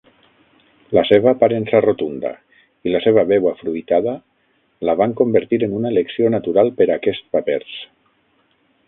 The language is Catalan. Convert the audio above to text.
La seva aparença rotunda i la seva veu afruitada la van convertir en una elecció natural per a aquests papers.